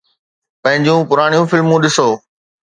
پنهنجون پراڻيون فلمون ڏسو.